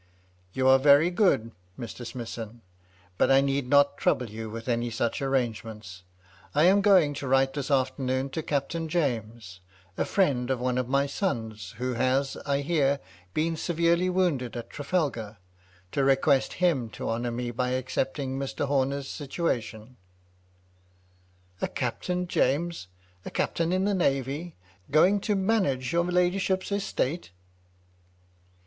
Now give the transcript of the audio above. " You are very good, Mr. Smithson, but I need not trouble you with any such arrangements. I am going to write this afternoon to Captain James, a friend of one of my sons, who has, I hear, been severely woimded at Trafalgar, to request him to honour me by accepting Mr. Homer's situatioa" " A Captain James ! A captain in the navy ! going to manage your ladyship's estate